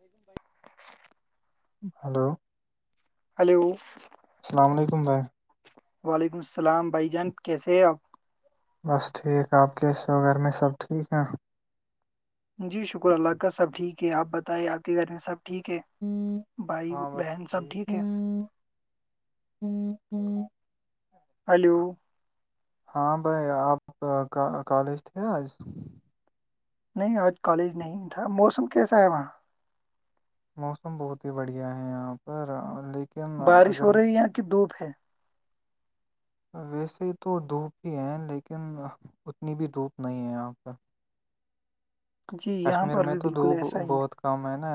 نہیں گم بھائی ہلو ہلو السلام علیکم بھائی وعلیکم السلام بھائی جان کیسے ہے آپ بس ٹھیک آپ کے شوگر میں سب ٹھیک ہیں جی شکر اللہ کا سب ٹھیک ہے آپ بتائیے آپ کے گھر میں سب ٹھیک ہے بھائی بہن سب ٹھیک ہے ہاں ہلو ہاں بھائی آپ کالج تھے آج نہیں آج کالج نہیں تھا موسم کیسا ہے وہاں موسم بہت ہی بڑھیا ہے یہاں پر لیکن بارش اگر ہو رہی یہاں کی دھوپ ہے ویسے ہی تو دھوپ ہی ہے لیکن اتنی بھی دھوپ نہیں ہے یہاں پرہ جی یہاں پر میں بھی تو بالکل دھوپ ایسا ہی بہت کم نا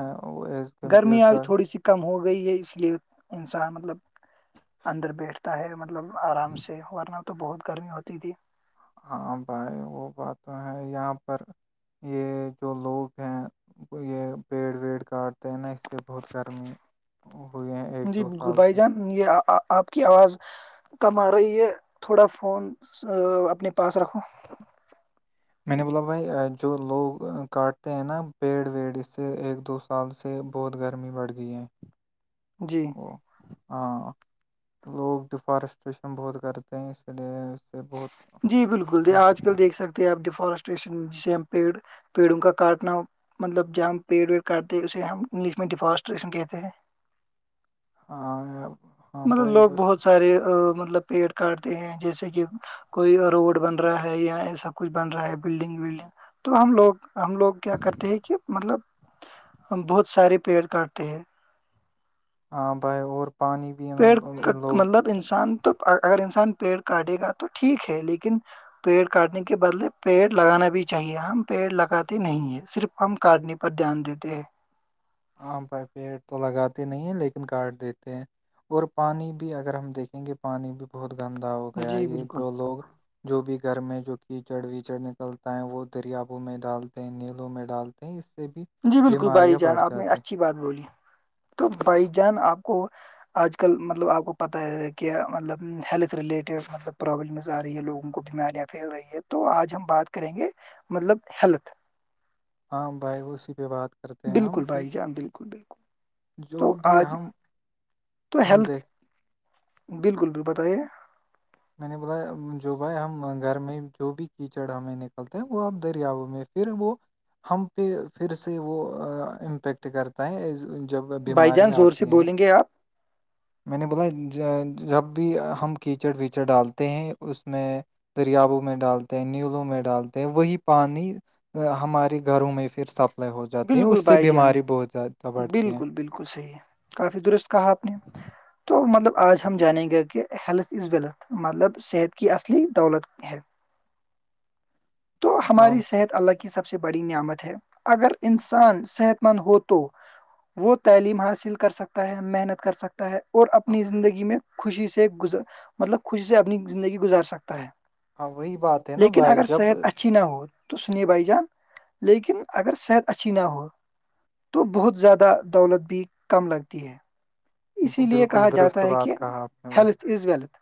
ایز گرمی آئی کمپیوٹر تھوڑی سی کم ہو گئی ہے اس لیے انسان مطلب اندر بیٹھتا ہے مطلب آرام سے ورنہ تو بہت گرمی ہوتی تھی ہاں بھائی وہ بات تو ہے یہاں پر یہ جو لوگ ہیں یہ پیڑ ویڑ کٹ تا نا اس سے بہت گرمی ہوئی ہے ایک جی دو بالکل سال بھائی سے جان یہ آپ کی آواز کم آ رہی ہے تھوڑا فون اپنے پاس رکھو میں نے بولا بھائی جو لوگ کاٹتے ہیں نا پیڑ ویڑ اس سے ایک دو کال سے بہت گرمی بڑھ گئی ہے جی ہاں لوگ ڈیفارسٹریشن بہت کرتے ہیں اسی لیے سے بہت جی بالکل د آج کل دیکھ سکتے ہیں آپ ڈیفارسٹریشن جس پی پیڑوں کا کاٹنا مطلب جب ہم پیڑ ویڑ کاتے اسے ہم انگلش میں ڈیفارسٹریشن کہتے ہیں ہاں ہاں مطلب بھائی لوگ بہت سارے مطلب پیڑ کاٹتے ہیں جیسے کہ کوئی روڈ بن رہا ہے یا یہ سب کچھ بن رہا ہے بلڈنگ ولڈنگ تو ہم لوگ ہم لوگ کیا کرتے ہیں کہ مطلب ہم بہت سارے پیڑ کاٹتے ہیں ہاں بائی اور پانی بھی ان پیڑ کا ان لوگ مطلب انسان تو اگر انسان پیڑ کاٹے گا تو ٹھیک ہے لیکن پیڑ کاٹنے کے بدلے پیڑ لگانا بھی چاہیے ہم پیڑ لگاتے نہیں ہیں صرف ہم کاٹنے پر دھیان دیتے ہیں ہاں بھائی پیڑ تو لگاتے نہیں ہیں لیکن کاٹ دیتے ہیں اور پانی بھی اگر ہم دیکھیں گے پانی بھی بہت گندا ہو گیا جی یہ بالکل جو لوگ جو بھی گھر میں جو کیچڑ ویچڑ نکلتا ہے وہ دریابوں میں ڈالتے ہیں نیلوں میں ڈال اس سے بھی جی بالکل بھائی بیماریاں جان بڑھ آپ نے اچھا جاتی ہیں اچھی بات بولی تو بھائی اس- جان آپ کو آج کل مطلب آپ کو پتہ ہے کہ مطلب ہیلتھ رلیٹڈ مطلب پرابلمز آ رہی ہے لوگوں کو ب بیماریاں پھیل رہی ہے تو آج ہم بات کریں گے مطلب ہیلتھ ہاں بھائی اسی پہ بات کرتے ہیں ہم بالکل کہ بھائی جان بالکل بالکل جو تو بھی آج ہم تو ہم ہیلتھ دیکھ بالکل بالکل بتائیے میں نے بولا جو بھائی ہم گھر میں جو بھی کیچڑ ہمیں نکلتے ہیں وہ اب دریاو میں پھر وہ ہم پہ پھر سے وہ امپیکٹ کرتا ہے ایز جب بھائی جان بیماریاں زور سے آتی ہیں بولیں گے آپ میں نے بولا جب بھی ہم کیچڑ ویچڑ ڈالتے ہیں اس میں دریابوں میں ڈالتے ہیں نیلوں میں ڈالتے ہیں وہی پانی ہمارے گھروں میں پھر سپلائی ہو جاتی ہے اس بالکل سے بھائی جان بیماری بہت زیادہ بڑھتی ہے بالکل بالکل صحیح کافی درست کہا آپ نے تو مطلب آج ہم جانیں گے کہ ہیلتھ از ویلتھ مطلب صحت کی اصلی دولت ہے تو ہاں ہماری صحت اللہ کی سب سے بڑی نعمت ہے اگر انسان صحت مند ہو تو وہ تعلیم حاصل کر سکتا ہے محنت کر سکتا ہے اور ہاں اپنی زندگی میں خوشی سے گز مطلب خوشی سے اپنی زندگی گزار سکتا ہے ہاں وہی بات ہے نا لیکن بھائی اگر جب صحت اچھی نہ ہو تو سنیے بھائی جان لیکن اگر صحت اچھی نہ ہو تو بہت زیادہ دولت بھی کم لگتی ہے اسی لیے بالکل کہا جاتا درست ہے بات کہ کہا آپ نے بھائی ہیلھ از ویلتھ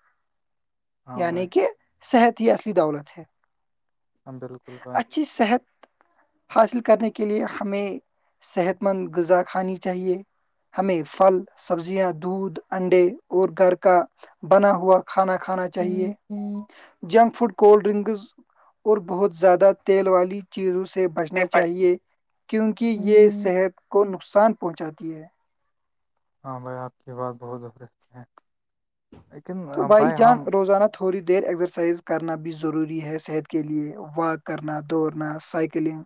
ہاں بھائی یعنی کہ صحت ہی اصلی دولت ہے ہاں بالکل بھائی اچھی صحت حاصل کرنے کے لیے ہمیں صحت مند غذا کھانی چاہیے ہمیں پھل سبزیاں دودھ انڈے اور گھر کا بنا ہوا کھانا کھانا چاہ چاہیے جنک فوڈ کولڈ ڈرنکز اور بہت زیادہ تیل والی چیزوں سے بچنا چاہیے کیونکہ یہ صحت کو نقصان پہنچاتی ہے ہاں بھائی آپ کی بات بہت دہرست ہے لیکن تو بھائی جان ہم روزانہ تھوڑی دیر ایکسرسائز کرنا بھی ضروری ہے صحت کے لیے واک کرنا دوڑنا سائیکلنگ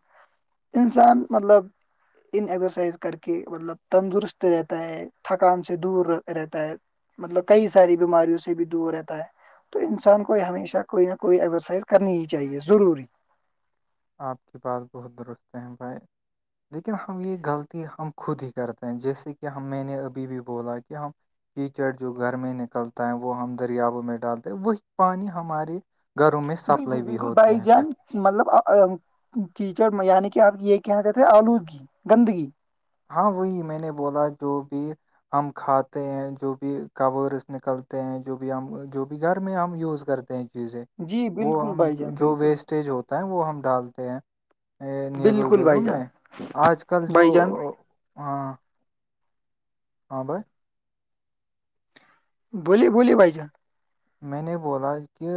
انسان مطلب ان ایکسرسائز کر کے مطلب تندرست رہتا ہے تھکان سے دور رہتا ہے مطلب کئی ساری بیماریوں سے بھی دور رہتا ہے تو انسان کو ہمیشہ کوئی نہ کوئی ایسرسائز کرنی ہی چاہیے ضروری آپ کی بات بہت درست ہیں بھائی لیکن ہم یہ غلطی ہم خود ہی کرتے ہیں جیسے کہ ہم میں نے ابھی بھی بولا کہ ہم کیچڑ جو گھر میں نکلتا ہے وہ ہم دریاو میں ڈالتے ہیں وہی پانی ہمارے گھروں میں بالکل سپلائی بھی بالکل ہوتی بھائی ہیں پھر جان مطلب کیچڑ یعنی کہ آپ یہ کہنا چاہتے ہیں آلودگی گندگی ہاں وہی میں نے بولا جو بھی ہم کھاتے ہیں جو بھی کورس نکلتے ہیں جو بھی ہم جو بھی گھر میں ہم یوز کرتے چیزیں جی وہ بالکل ہم بھائی جان جو بالکل ویسٹیج ہوتے وہ ہم ڈالتے ہیں نیلو بالکل ویلو بھائی جان میں آج کل جو بھائی جان ہاں ہاں بھائی بولی بولی بھائی جان میں نے بولا کہ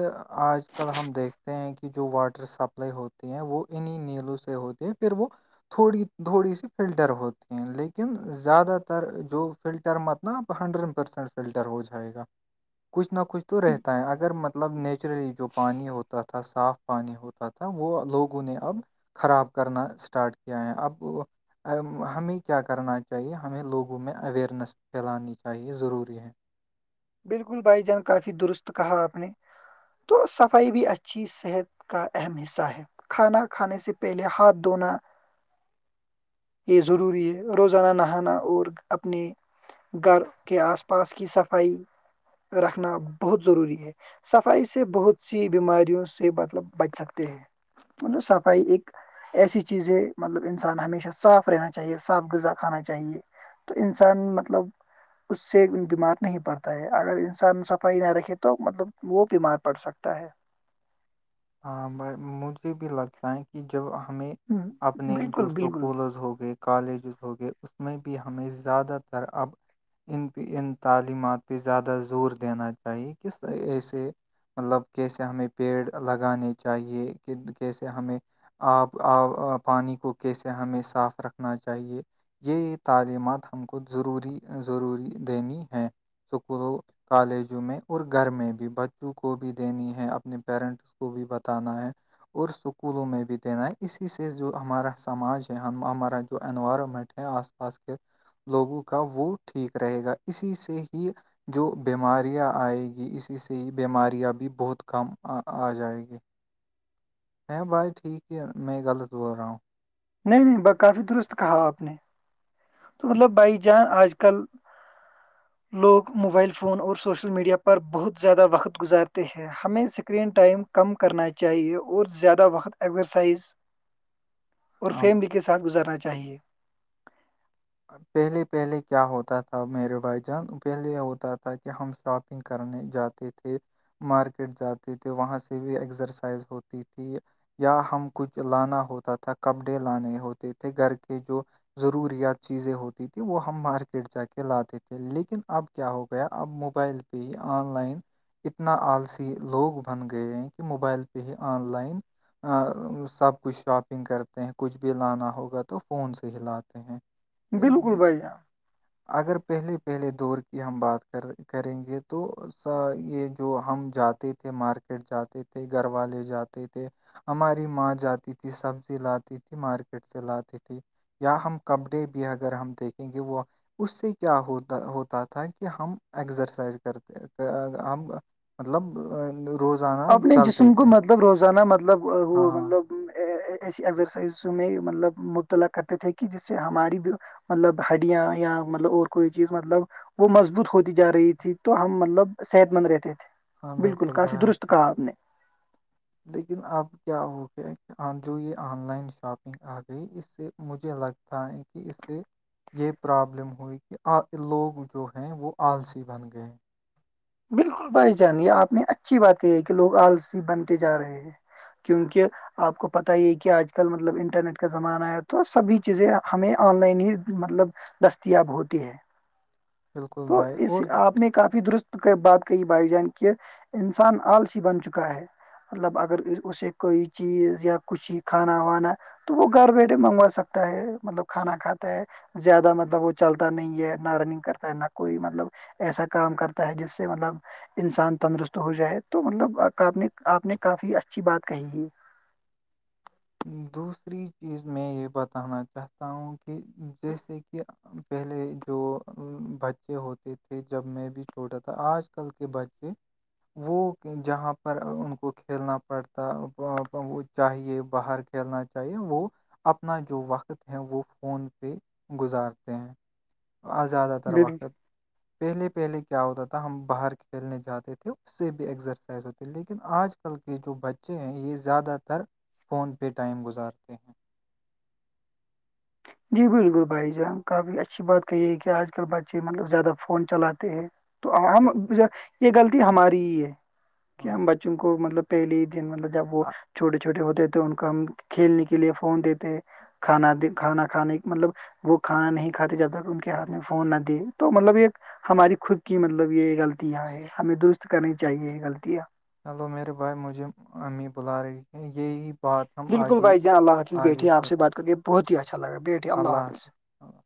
آج کل ہم دیکھ ہیں کہ جو واٹر سپلائی ہوتی ہیں وہ انیں نیلوں سے ہوتے ہیں پھر وہ تھوڑی تھوڑی سی فلٹر ہوتی ہیں لیکن زیادہ تر جو فلٹر مت ن آپ ہنڈریڈ پرسینٹ فلٹر ہو جائے گا کچھ نہ کچھ تو رہتا ہے اگر م مطلب نیچرلی جو پانی ہوتا تھا صاف پانی ہوتا تھا وہ لوگوں نے اب خراب کرنا اسٹارٹ کیا ہے اب ہمیں کیا کرنا چاہیے ہمیں لوگوں میں اوئرنیس پھیلانی چاہیے ضروری ہے بالکل بھائی جان کافی درست کہا آپ نے تو صفائی بھی اچھی صحت کا اہم حصہ ہے کھانا کھانے سے پہلے ہاتھ دھونا یہ ضروری ہے روزانہ نہانا اور اپنے گھر کے آس پاس کی صفائی رکھنا بہت ضروری ہے صفائی سے بہت سی بیماریوں سے مطلب بچ سکتے ہیں مطلب صفائی ایک ایسی چیز ہے مطلب انسان ہمیشہ صاف رہنا چاہیے صاف غذا کھانا چاہیے تو انسان مطلب اس سے بیمار نہیں پڑتا ہے اگر انسان صفائی نہ رکھے تو مطلب وہ بیمار پڑ سکتا ہے ہ مجھے بھی لگتا ہے کہ جب ہمیں ہوں، اپنے بالکل جو سو بالکل کولرز ہو گئے کالجز ہوگئے اس میں بھی ہمیں زیادہ تر اب ان پہ ان تعلیمات پہ زیادہ زور دینا چاہیے کس ایسے مطلب کیسے ہمیں پیڑ لگانے چاہیے کہ کیسے ہمیں آپ آ پانی کو کیسے ہمیں صاف رکھنا چاہیے جی یہ تعلیمات ہم کو ضروری ضروری دینی ہے اسکولوں کالجوں میں اور گھر میں بھی بچوں کو بھی دینی ہے اپنے پیرنٹ اس کو بھی بتانا ہے اور اسکولوں میں بھی دینا ہے اسی سے جو ہمارا سماج ہے ہم ہمارا جو انوائرمنٹ ہے آس کے لوگوں کا وہ ٹھیک رہے گا اسی سے ہی جو بیماریاں آئےیں گی اسی سے ہی بیماریاں بھی بہت کم آ جائیں گی ہ بھائی ٹھیک ہے میں غلط بول رہا ہوں نہیں نہیں ب کافی درست کہا آپ نے تو مطلب بائی جان آج کل لوگ موبائل فون اور سوشل میڈیا پر بہت زیادہ وقت گزارتے ہیں ہمیں اسکرین ٹائم کم کرنا چاہیے اور زیادہ وقت ایزرسائز اور آپ فیملی کے ساتھ گزارنا چاہیئے پہلے پہلے کیا ہوتا تھا میرے بھائی جان پہلے ہوتا تھا کہ ہم شاپ کرنے جاتے تھے مارکیٹ جاتے تھے وہاں سے بھی ایکسرسائز ہوتی تھی یا ہم کچھ لانا ہوتا تھا کپڑے لانے ہوتے تھے گھر کے جو ضروریات چیزیں ہوتی تھیں وہ ہم مارکیٹ جا کے لاتے تھے لیکن اب کیا ہو گیا اب موبائل پ آن لائن اتنا آلسی لوگ بن گئے ہیں کہ موبائل پہ ہی آن لائن سب کچھ شاپنگ کرتے ہیں کچھ بھی لانا ہوگا تو فون سے ہی لاتے ہیں بالکل بھائی جان اگر پہلے پہلے دور کی ہم بات کریں گے تو یہ جو ہم جاتے تھا مارکیٹ جاتے تھے گھر والے جاتے تھے ہماری ماں جاتی تھی سبزی لاتی تھی مارکیٹ سے لاتی تھی یا ہم کپڑے بھی اگر ہم دیکھیں گے وہ اس سے کیا ہوتا ہوتا تھا کہ ہم ایکسرسائز کرتے ہم مطلب روزان اپنے جسم کو مطلب روزانہ مطلب وہ ہاں ہاں مطلب ایسی ایگزرسائزوں میں مطلب مبطلاع کرتے تھے کہ جس سے ہماری بھی مطلب ہڈیا یا مطلب اور کوئی چیز مطلب وہ مضبوط ہوتی جا رہی تھی تو ہم مطلب صحت مند رہتے تھے بالکل کافی درست کہا آپ نے لیکن اب کیا ہو گیا کہ جو یہ آن لائن شاپنگ آ گئی اس سے مجھے لگ تھا ہے کہ اس سے یہ پرابلم ہوئی کہ آ لوگ جو ہیں وہ آلسی بن گئے ہیں بالکل بھائی جان یہ آپ نے اچھی بات کہ ہے کہ لوگ آلسی بنتے جا رہے ہیں کیونکہ آپ کو پت ہی کہ آج کل مطلب انٹرنیٹ کا زمانہ ہے تو سبھی چیزیں ہمیں آن لائن ہی مطلب دستیاب ہوتی ہے بالکل تو بھائی اس اور آپ نے کافی درست بات کای بھائی جان کی انسان آلسی بن چکا ہے مطلب اگر اسے کوئی چیز یا کچھ ہی کھانا وانا تو وہ گھر بیٹھے منگوا سکتا ہے مطلب کھانا کھاتا ہے زیادہ مطلب وہ چلتا نہیں ہے نہ رننگ کرتا ہے نہ کوئی مطلب ایسا کام کرتا تا ہے جس سے مطلب انسان تندرست ہو جائے تو مطلب آپ نے آپ نے کافی اچھی بات کہی ہے دوسری چیز میں یہ بتانا چاہتا ہوں کہ جیسے کہ پہلے جو بچے ہوتے تھے جب میں بھی چھوٹا تھا آج کل کے بچے وہ جہاں پر ان کو کھیلنا پڑتا چاہیے باہر کھیلنا چاہیے وہ اپنا جو وقت ہے وہ فون پہ گزارتے ہیں زیادہ تر وقت بالکل پہلے پہلے کیا ہوتا تھا ہم باہر کھیلنے جاتے تھے سے بھی ایکسرسائز ہوتی لیکن آج کل کے جو بچے ہیں یہ زیادہ تر فون پہ ٹائم گزارتے ہیں جی بالکل بھائی جان کافی اچھی بات کہیے ہے کہ آج کل بچے مطلب زیادہ فون چلاتے ہیں تو ہم یہ غلطی ہماری ہی ہے کہ ہاں، ہم بچوں کو مطلب پہلی دن مطلب جب وہ آ- چھوٹیے چھوٹے ہوتے تو ان کو ہم کھیلنے کے لیے فون دیتے کھا کھانا کھانے مطلب وہ کھانا نہیں کھاتے جب تک ان کے ہاتھ میں فون نہ دیے تو مطلب یہ ہماری خود کی مطلب یہ غلطیاں ہے ہمیں درست کرنی چاہیے یہ غلطیاں ہلو میرے بھائی مجھے امی بلا رہی ہیں یہی بات ہم بالکل آگے بھائی جان اللہ آگے بیٹے آپ پھر سے بات کر کے بہت ہی اچھا لا بیٹ اللہ حافظ اللہ حفظ